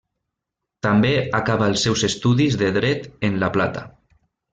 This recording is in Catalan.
També acaba els seus estudis de Dret en La Plata.